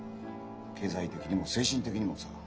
経済的にも精神的にもさ。